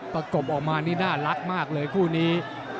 กบออกมานี่น่ารักมากเลยคู่นี้